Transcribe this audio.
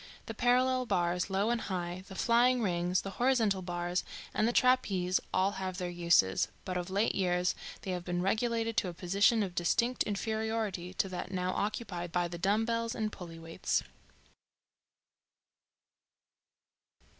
The parallel bars, low and high, the flying rings, the horizontal bar and the trapeze all have their uses, but of late years they have been relegated to a position of distinct inferiority to that now occupied by the dumbbells and pulley weights.